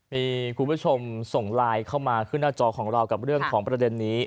มีคุณผู้ชมส่งไลน์เข้ามาขึ้นหน้าจอของเรากับเรื่องของประเด็นนี้